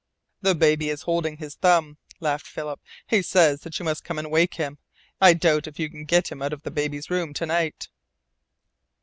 "The baby is holding his thumb," laughed Philip. "He says that you must come and wake him. I doubt if you can get him out of the baby's room to night."